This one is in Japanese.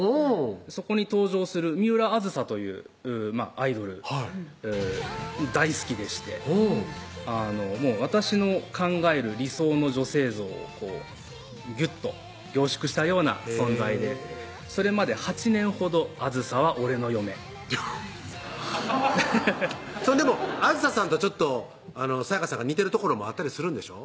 そこに登場する三浦あずさというアイドル大好きでしてうんもう私の考える理想の女性像をこうぎゅっと凝縮したような存在でそれまで８年ほどあずさは俺の嫁ハァーでもあずささんとちょっと咲野香さんが似てるところもあったりするんでしょ？